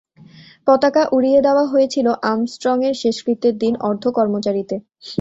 পতাকা উড়িয়ে দেওয়া হয়েছিল আর্মস্ট্রংয়ের শেষকৃত্যের দিন অর্ধ-কর্মচারীতে।